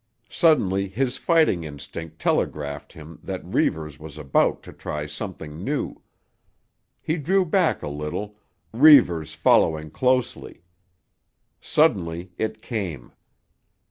Suddenly his fighting instinct telegraphed him that Reivers was about to try something new. He drew back a little, Reivers following closely. Suddenly it came.